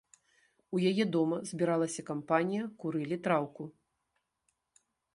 У яе дома збіралася кампанія, курылі траўку.